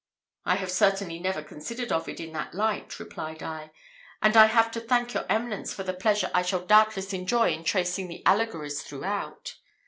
"I have certainly never considered Ovid in that light," replied I; "and I have to thank your eminence for the pleasure I shall doubtless enjoy in tracing the allegories throughout."